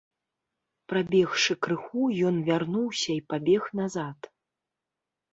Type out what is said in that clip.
Прабегшы крыху, ён вярнуўся і пабег назад.